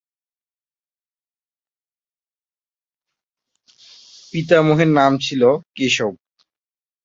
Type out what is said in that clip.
পিতামহের নাম ছিল কেশব।